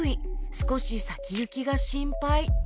少し先行きが心配